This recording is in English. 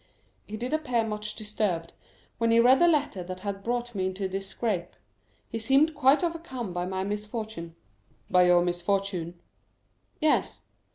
"He did appear much disturbed when he read the letter that had brought me into this scrape. He seemed quite overcome by my misfortune." "By your misfortune?" "Yes."